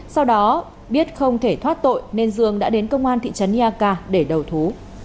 sau đó biết không thể thoát tội nên dương đã đến công an thị trấn eak để đầu thú